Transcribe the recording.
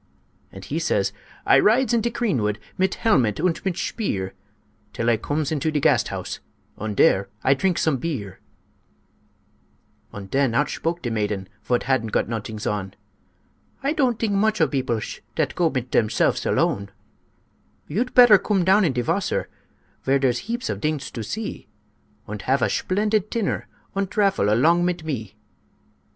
And he says, "I rides in de creenwood Mit helmet und mit shpeer, Till I cooms into em Gasthaus, Und dere I trinks some beer." Und den outshpoke de maiden Vot hadn't got nodings on: "I tont dink mooch of beoplesh Dat goes mit demselfs alone. "You'd petter coom down in de wasser, Vere deres heaps of dings to see, Und hafe a shplendid tinner Und drafel along mit me.